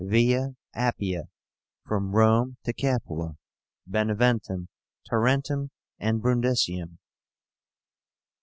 VIA APPIA, from Rome to Capua, Beneventum, Tarentum, and Brundisium.